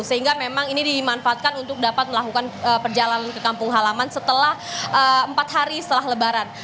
sehingga memang ini dimanfaatkan untuk dapat melakukan perjalanan ke kampung halaman setelah empat hari setelah lebaran